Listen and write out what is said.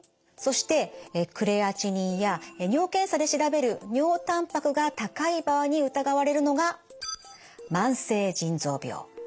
そしてクレアチニンや尿検査で調べる尿たんぱくが高い場合に疑われるのが慢性腎臓病。